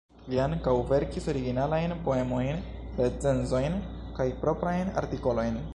Li ankaŭ verkis originalajn poemojn, recenzojn kaj proprajn artikolojn.